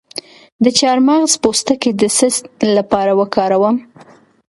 د چارمغز پوستکی د څه لپاره وکاروم؟